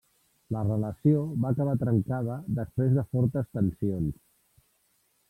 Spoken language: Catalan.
La relació va acabar trencada després de fortes tensions.